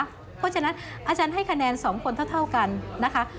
เพราะฉะนั้นอาจารย์ให้คะแนน๒คนเท่ากันนะคะ